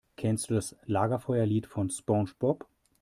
Kennst du das Lagerfeuerlied von SpongeBob?